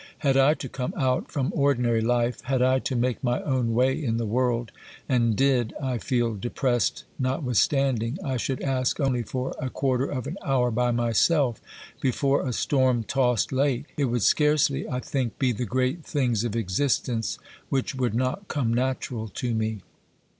Had I to come out from ordinary life, had I to make my own way in the world, and did I feel depressed notwithstanding, I should ask only for 14 OBERMANN a quarter of an hour by myself before a storm tost lake; it would scarcely, I think, be the great things of existence which would not come natural to me.